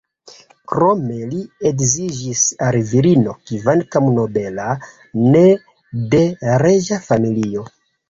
Krome li edziĝis al virino, kvankam nobela, ne de reĝa familio.